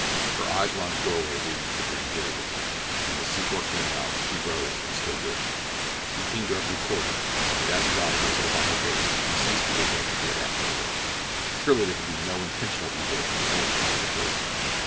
Her eyes were on the doorway leading to the grand jury room, and as Secor came out she rose and stood waiting him. He came directly toward her, and as his eyes rested upon her face he ceased to regret that he had asked her to wait. Surely there could be no intentional evil in the owner of such a face.